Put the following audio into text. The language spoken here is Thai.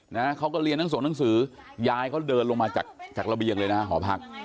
นะเขาก็เรียนทั้งส่งหนังสือยายเขาเดินลงมาจากจากระเบียงเลยนะฮะหอพัก